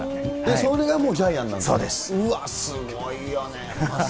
それがもうジャイアンなんだ。